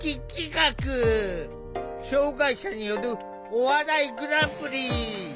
障害者によるお笑いグランプリ！